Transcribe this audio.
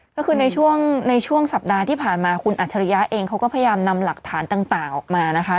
ก็คือในช่วงในช่วงสัปดาห์ที่ผ่านมาคุณอัจฉริยะเองเขาก็พยายามนำหลักฐานต่างออกมานะคะ